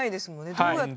どうやって？